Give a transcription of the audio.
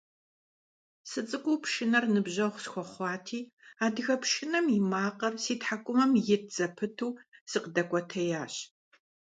СыцӀыкӀуу пшынэр ныбжьэгъу схуэхъуати, адыгэ пшынэм и макъыр си тхьэкӀумэм ит зэпыту сыкъыдэкӀуэтеящ.